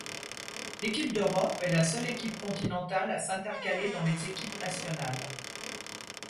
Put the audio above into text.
L'équipe d'Europe est la seule équipe continentale à s'intercaler dans les équipes nationales.